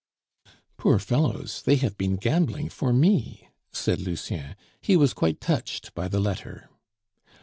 "Poor fellows! They have been gambling for me," said Lucien; he was quite touched by the letter.